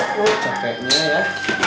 oh capeknya ya